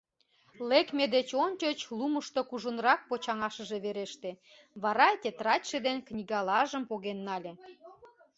Лекме деч ончыч лумышто кужунак почаҥашыже вереште, вара тетрадьше ден книгалажым поген нале.